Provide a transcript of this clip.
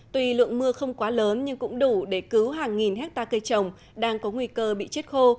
tuy lượng mưa không quá lớn nhưng cũng đủ để cứu hàng nghìn hectare cây trồng đang có nguy cơ bị chết khô